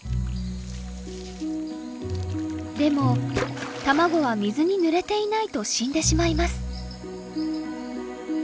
でも卵は水にぬれていないと死んでしまいます。